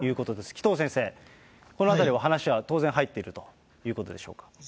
紀藤先生、このあたり、話は当然、入っているということでしょうか。